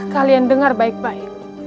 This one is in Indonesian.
kalian dengar baik baik